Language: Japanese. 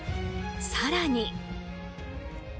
更に。